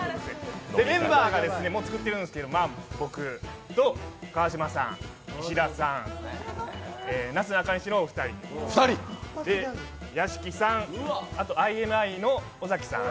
メンバーがもう作ってるんですけど、僕と川島さん、石田さん、なすなかにしのお二人、屋敷さん、ＩＮＩの尾崎さん。